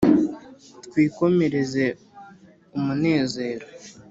twikomereze umunezero;